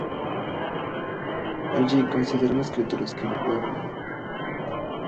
Allí conocerá a las criaturas que lo pueblan.